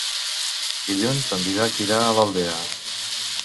Dilluns en Dídac irà a l'Aldea.